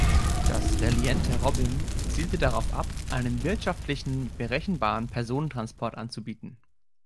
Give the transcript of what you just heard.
Das Reliente Robin zielte darauf ab, einen wirtschaftlichen, berechenbaren Personentransport anzubieten.